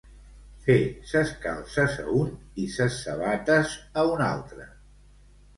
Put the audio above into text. Fer ses calces a un i ses sabates a un altre.